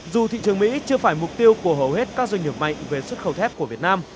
dù thị trường mỹ chưa phải mục tiêu của hầu hết các doanh nghiệp mạnh về xuất khẩu thép của việt nam